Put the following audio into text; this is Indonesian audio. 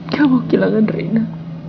gak mau kehilangan rena